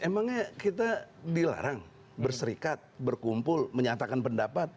emangnya kita dilarang berserikat berkumpul menyatakan pendapat